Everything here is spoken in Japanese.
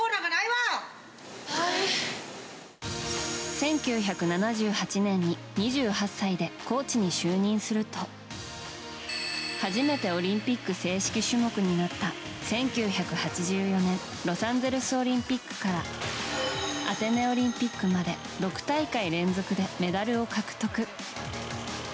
１９７８年に２８歳でコーチに就任すると初めてオリンピック正式種目になった１９８４年ロサンゼルスオリンピックからアテネオリンピックまで６大会連続でメダルを獲得。